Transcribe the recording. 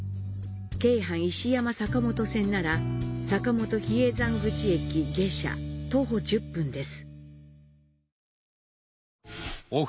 京阪石山坂本線なら坂本比叡山口駅下車徒歩１０分です。